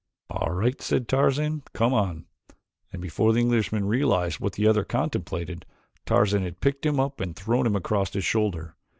"All right," said Tarzan, "come on," and before the Englishman realized what the other contemplated Tarzan had picked him up and thrown him across his shoulder.